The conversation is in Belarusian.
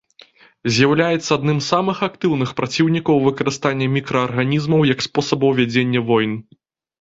З'яўляецца адным з самых актыўных праціўнікаў выкарыстання мікраарганізмаў як спосабаў вядзення войн.